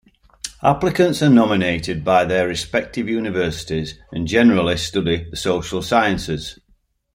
Applicants are nominated by their respective universities and generally study the social sciences.